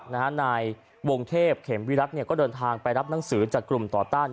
นายวงเทพเข็มวิรัติก็เดินทางไปรับหนังสือจากกลุ่มต่อต้าน